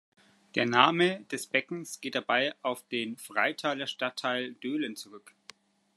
Der Name des Beckens geht dabei auf den Freitaler Stadtteil Döhlen zurück.